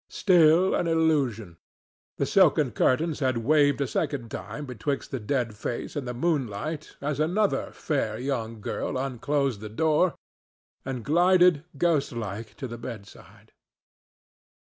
Still an illusion. The silken curtains had waved a second time betwixt the dead face and the moonlight as another fair young girl unclosed the door and glided ghostlike to the bedside.